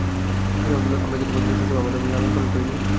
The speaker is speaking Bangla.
ফিরআউন বলল, আমরা কি তোমাকে শৈশবে আমাদের মধ্যে লালন-পালন করিনি?